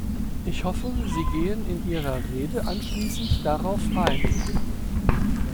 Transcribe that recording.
Ich hoffe, Sie gehen in Ihrer Rede anschließend darauf ein.